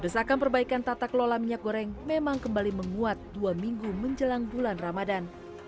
desakan perbaikan tata kelola minyak goreng memang kembali menguat dua minggu menjelang bulan ramadan